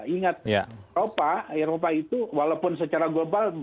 ingat eropa eropa itu walaupun secara global